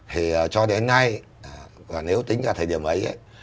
thì cho đến nay nếu tính ra thời điểm ấy